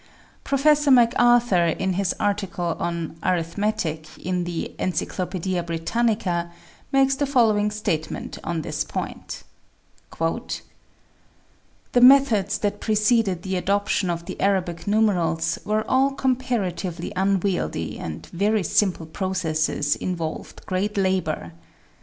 Professor McArthur, in his article on " Arithmetic " in the Encyclopaedia Britannica, makes the following statement on this point :" The methods that preceded the adoption of the Arabic numerals were all comparatively unwieldy, and very simple processes involved great labor.